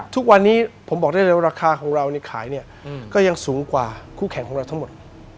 ทุกวันนี้ราคาของเราในขายก็ยังสูงกว่าคู่แข่งของเราทั้งหมด